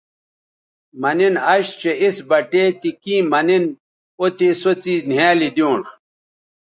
مہ نِن اش چہء اِس بٹے تی کیں مہ نِن او تے سو څیز نِھیالی دیونݜ